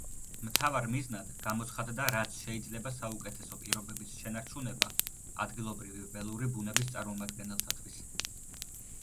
მთავარ მიზნად გამოცხადდა რაც შეიძლება საუკეთესო პირობების შენარჩუნება ადგილობრივი ველური ბუნების წარმომადგენელთათვის.